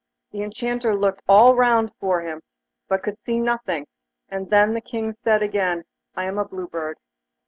The Enchanter looked all round him, but could see nothing, and then the King said again: 'I am a Blue Bird.